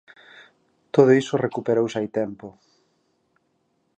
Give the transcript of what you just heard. Todo iso recuperouse hai tempo.